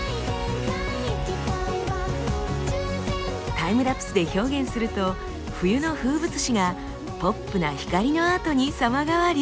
タイムラプスで表現すると冬の風物詩がポップな光のアートに様変わり。